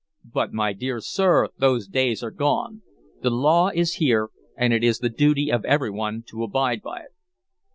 "But, my dear sir, those days are gone. The law is here and it is the duty of every one to abide by it."